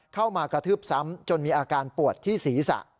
กระทืบซ้ำจนมีอาการปวดที่ศีรษะ